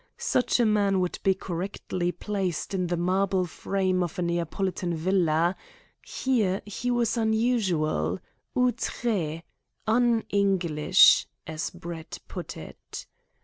Such a man would be correctly placed in the marble frame of a Neapolitan villa; here he was unusual, outré, "un English," as Brett put it.